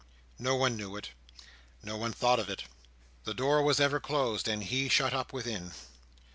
No one knew it. No one thought of it. The door was ever closed, and he shut up within.